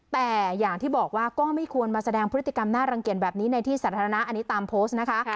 แต่อย่างที่บอกว่าก็ไม่ควรมาแสดงพฤติกรรมน่ารังเกียจแบบนี้ในที่สาธารณะอันนี้ตามโพสต์นะคะ